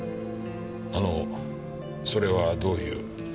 あのそれはどういう？